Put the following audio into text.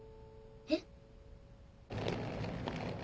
えっ？